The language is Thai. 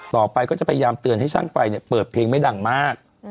ก็จะพยายามเตือนให้ช่างไฟเปิดเพลงไม่ดังมาก